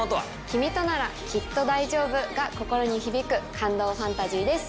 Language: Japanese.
「キミとなら、きっと大丈夫。」が心に響く感動ファンタジーです。